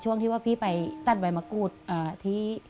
ช่วงที่ว่าพี่ไปตั้นวัยมะกูธ